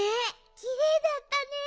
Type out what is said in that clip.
きれいだったね。